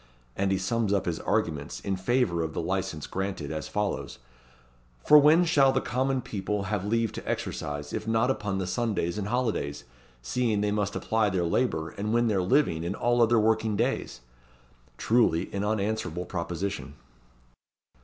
And he sums up his arguments, in favour of the license granted, as follows: "For when shall the common people have leave to exercise, if not upon the Sundays and holidays, seeing they must apply their labour, and win their living in all working days?" Truly, an unanswerable proposition.